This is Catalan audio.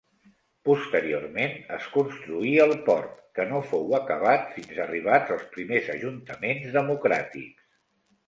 Posteriorment es construí el port, que no fou acabat fins arribats els primers ajuntaments democràtics.